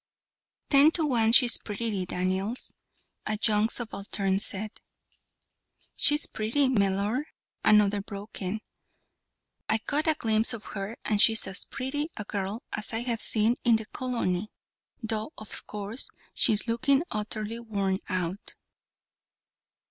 "Ten to one she's pretty, Daniels," a young subaltern said. "She is pretty, Mellor," another broke in; "I caught a glimpse of her, and she is as pretty a girl as I have seen in the colony, though, of course, she is looking utterly worn out."